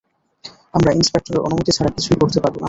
আমরা ইন্সপেক্টরের অনুমতি ছাড়া কিছুই করতে পারব না।